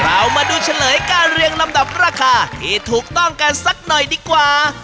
เรามาดูเฉลยการเรียงลำดับราคาที่ถูกต้องกันสักหน่อยดีกว่า